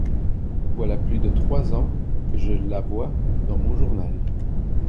Voilà plus de trois ans que je la vois dans mon journal…